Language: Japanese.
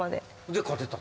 で勝てた？